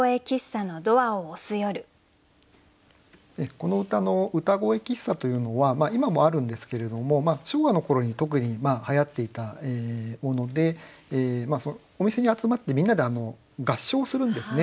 この歌の「うたごえ喫茶」というのは今もあるんですけれども昭和の頃に特にはやっていたものでお店に集まってみんなで合唱するんですね。